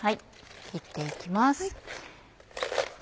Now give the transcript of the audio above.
切って行きます。